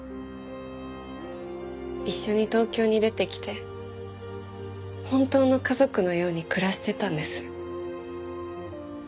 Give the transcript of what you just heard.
一緒に東京に出てきて本当の家族のように暮らしてたんです。